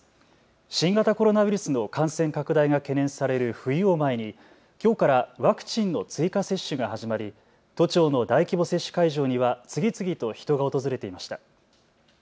新型コロナウイルスの感染拡大が懸念される冬を前にきょうからワクチンの追加接種が始まり都庁の大規模接種会場には次々と人が訪れていました。